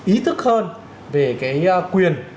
ý thức hơn về cái quyền